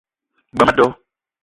G-beu ma a do